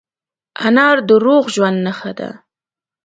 انار د روغ ژوند نښه ده.